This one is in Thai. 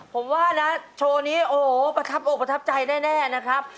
ผมว่านะโชว์นี้โอ้โหประทับอกประทับใจแน่นะครับ